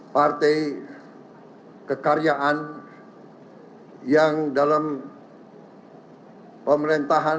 partai kekaryaan yang dalam pemerintahan